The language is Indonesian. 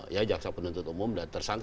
iya jaksa penentu umum dan tersangka